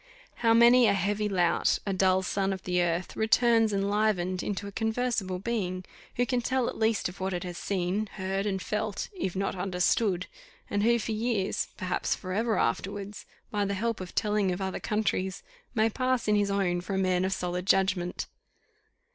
How many a heavy lout, a dull son of earth, returns enlivened into a conversable being, who can tell at least of what it has seen, heard, and felt, if not understood; and who for years, perhaps for ever afterwards, by the help of telling of other countries, may pass in his own for a man of solid judgment!